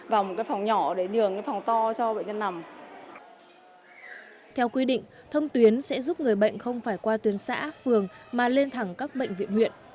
theo quy định thông tuyến sẽ giúp người bệnh không phải qua tuyến xã phường mà lên thẳng các bệnh viện huyện